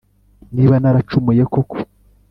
niba naracumuye koko,